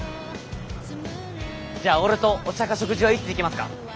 じゃあ俺とお茶か食事はいつ行けますか？